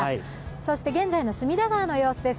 そして現在の隅田川の様子です。